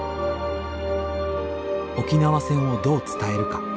沖縄戦をどう伝えるか。